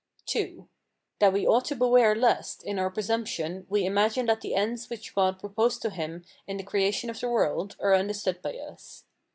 II. That we ought to beware lest, in our presumption, we imagine that the ends which God proposed to himself in the creation of the world are understood by us.